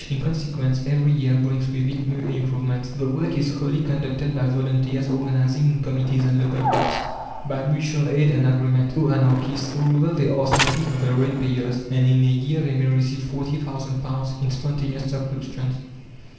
In consequence every year brings with it new improvements. The work is wholly conducted by volunteers organizing in committees and local groups; by mutual aid and agreement! Oh, Anarchists! Moreover, they ask nothing of the ratepayers, and in a year they may receive £40,000 in spontaneous subscriptions.